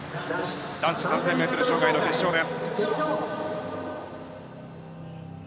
男子３０００ｍ障害の決勝です。